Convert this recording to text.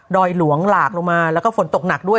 อยหลวงหลากลงมาแล้วก็ฝนตกหนักด้วย